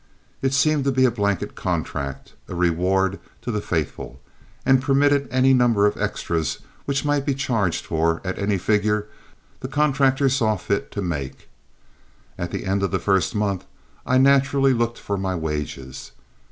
It seemed to be a blanket contract, a reward to the faithful, and permitted of any number of extras which might be charged for at any figures the contractors saw fit to make. At the end of the first month I naturally looked for my wages.